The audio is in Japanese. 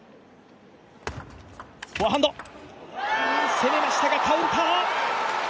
攻めましたがカウンター。